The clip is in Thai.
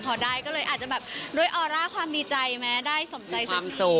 พอได้ก็เลยอาจจะด้วยออร่าความดีใจความบีใจได้สมใจสักที